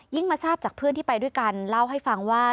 มาทราบจากเพื่อนที่ไปด้วยกันเล่าให้ฟังว่า